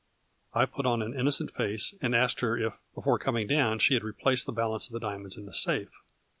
I put on an innocent face and asked her if, before coming down, she had replaced the balance of the diamonds in the safe.